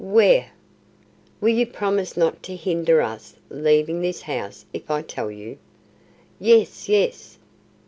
"Where?" "Will you promise not to hinder us leaving this house if I tell you?" "Yes, yes."